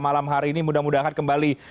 malam hari ini mudah mudahan kembali